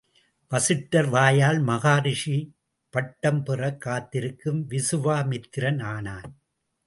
வசிட்டர் வாயால் மகரிஷி பட்டம் பெறக் காத்திருக்கும் விசுவாமித்திரன் ஆனான்.